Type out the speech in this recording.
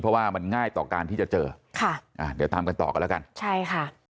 เพราะว่ามันง่ายต่อการที่จะเจอค่ะอ่าเดี๋ยวตามกันต่อกันแล้วกันใช่ค่ะ